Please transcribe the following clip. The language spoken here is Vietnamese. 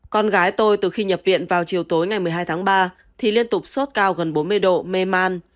con gái tôi từ khi nhập viện vào chiều tối ngày một mươi hai tháng ba thì liên tục sốt cao gần bốn mươi độ mê man